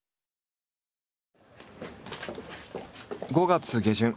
５月下旬。